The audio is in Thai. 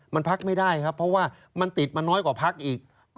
มันพักไม่ได้ครับเพราะว่ามันติดมาน้อยกว่าพักอีก